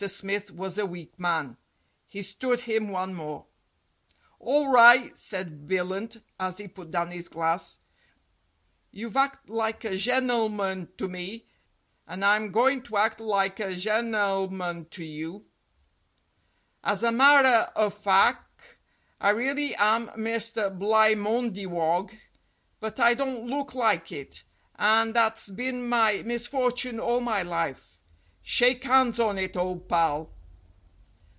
Smith was a weak man. He stood him one more. "All ri'," said Billunt, as he put down his glass. "You've acted like a gennelman to me, and I'm goin' to act like a gennelman to you. As a marrer o' fac', I really am Mr. Blymondiwog, but I don't look like it, and that's been my misfortune all my life. Shake hands on it, ole pal."